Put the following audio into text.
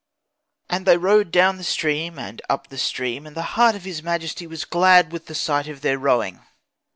"And they rowed down the stream and up the stream, and the heart of his majesty was glad with the sight of their rowing.